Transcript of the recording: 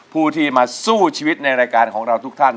ผู้ที่มาสู้ชีวิตในรายการของเราทุกท่าน